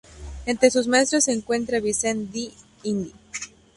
Entre sus maestros se encuentra Vincent d'Indy.